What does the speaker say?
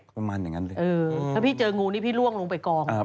ประมาณอย่างนั้นเลยถ้าพี่เจองูนี่พี่ล่วงลงไปกอง